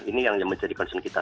ini yang menjadi concern kita